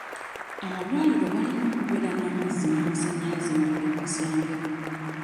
Amalwaliro galina okubeera n'amazzi n'amasanyalazze mu buli kasenge.